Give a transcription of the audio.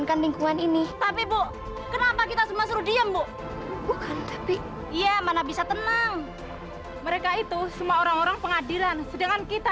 kalian harus berani